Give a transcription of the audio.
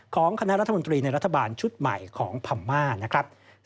ของคณะรัฐมนตรีในรัฐบาลชุดใหม่ของพม่านะครับ